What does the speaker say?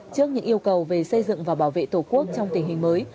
trước những yêu cầu về xây dựng và bảo vệ tổ quốc trong tình hình mới